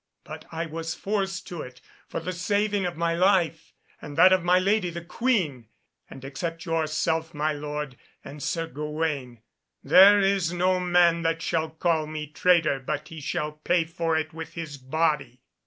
But I was forced to it, for the saving of my life and that of my lady the Queen. And except yourself, my lord, and Sir Gawaine, there is no man that shall call me traitor but he shall pay for it with his body.